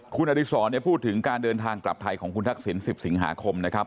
คุณอดิษรพูดถึงการเดินทางกลับไทยของคุณทักษิณ๑๐สิงหาคมนะครับ